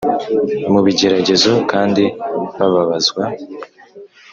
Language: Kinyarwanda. Mu bigeragezo kandi bababazwa